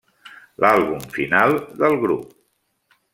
L'àlbum final del grup.